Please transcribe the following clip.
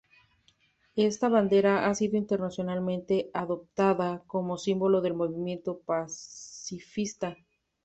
Esta bandera ha sido internacionalmente adoptada como símbolo del movimiento pacifista.